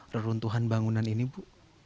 reruntuhan bangunan ini bu